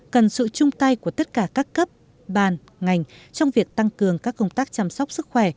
cần sự chung tay của tất cả các cấp bàn ngành trong việc tăng cường các công tác chăm sóc sức khỏe